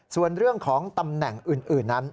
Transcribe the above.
ส่วนเรื่องของตำแหน่งอื่นนั้น